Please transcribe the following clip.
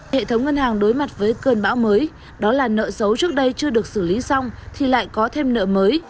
hệ thống ngân hàng đối mặt với cơn bão mới đó là nợ xấu trước đây chưa được xử lý xong thì lại có thêm nợ mới